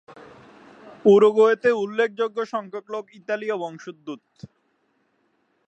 উরুগুয়েতে উল্লেখযোগ্য সংখ্যক লোক ইতালীয় বংশোদ্ভূত।